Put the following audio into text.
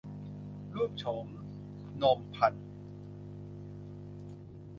รูปโฉมโนมพรรณ